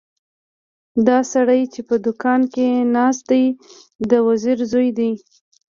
دا سړی چې په دوکان کې ناست دی د وزیر زوی دی.